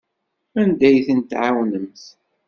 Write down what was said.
Anda ay ten-tɛawnemt?